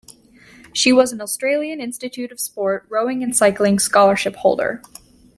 She was an Australian Institute of Sport rowing and cycling scholarship holder.